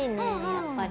やっぱり。